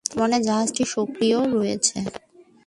বর্তমানে জাহাজটি সক্রিয় রয়েছে।